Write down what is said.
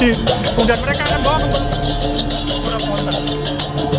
sesaji kembali didoakan disucikan sebelum dibawa kembali ke pura ponteng